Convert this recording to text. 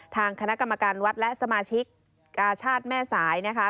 ทางคณะกรรมการวัดและสมาชิกกาชาติแม่สายนะคะ